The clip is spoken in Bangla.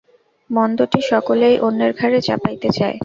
মন্দটি সকলেই অন্যের ঘাড়ে চাপাইতে চায়।